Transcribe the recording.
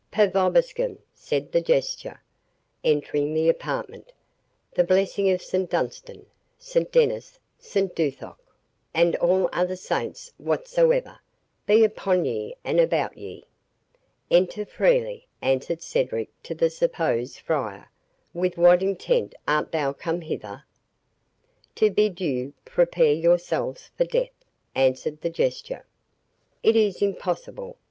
"'Pax vobiscum'," said the Jester, entering the apartment; "the blessing of St Dunstan, St Dennis, St Duthoc, and all other saints whatsoever, be upon ye and about ye." "Enter freely," answered Cedric to the supposed friar; "with what intent art thou come hither?" "To bid you prepare yourselves for death," answered the Jester. "It is impossible!"